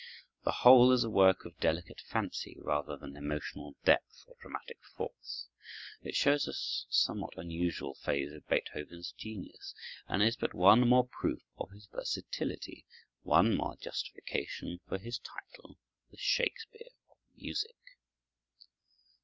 The whole is a work of delicate fancy rather than emotional depth or dramatic force. It shows us a somewhat unusual phase of Beethoven's genius, and is but one more proof of his versatility, one more justification for his title, "The Shakespeare of Music."